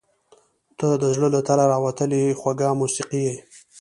• ته د زړه له تله راوتلې خوږه موسیقي یې.